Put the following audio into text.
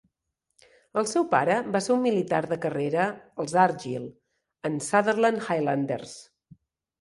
El seu pare va ser un militar de carrera als Argyll and Sutherland Highlanders.